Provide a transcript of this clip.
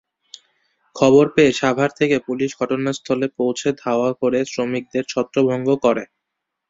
খবর পেয়ে সাভার থেকে পুলিশ ঘটনাস্থলে পৌঁছে ধাওয়া করে শ্রমিকদের ছত্রভঙ্গ করে।